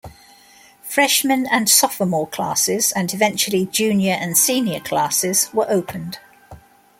Freshmen and Sophomore classes, and eventually, junior and senior classes were opened.